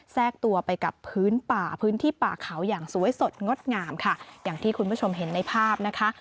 แทรกตัวไปกับพื้นป่าพื้นที่ป่าเขาอย่างสวยสดงดงามค่ะอย่างที่คุณผู้ชมเห็นในภาพนะคะ